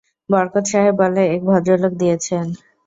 বরকত সাহেব বলে এক ভদ্রলোক দিয়েছেন।